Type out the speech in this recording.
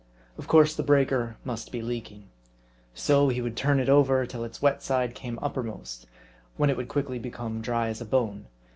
Of course the breaker must be leaking. So, he would turn it over, till its wet side came uppermost ; when it would quickly become dry as a bone.